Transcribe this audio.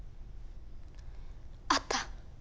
あった。